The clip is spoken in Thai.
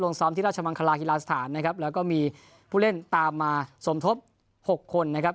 ซ้อมที่ราชมังคลากีฬาสถานนะครับแล้วก็มีผู้เล่นตามมาสมทบหกคนนะครับ